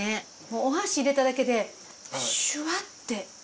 お箸入れただけでシュワッて。